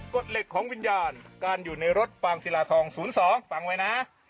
ฎเหล็กของวิญญาณการอยู่ในรถฟางศิลาทอง๐๒ฟังไว้นะ